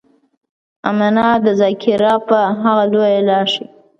امنا ده ذاکره په هغه لويه لاښي.